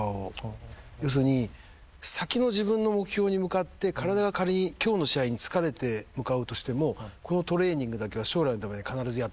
要するに先の自分の目標に向かって体が仮に今日の試合に疲れて向かうとしてもこのトレーニングだけは将来のために必ずやっとくとか。